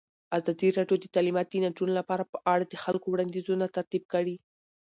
ازادي راډیو د تعلیمات د نجونو لپاره په اړه د خلکو وړاندیزونه ترتیب کړي.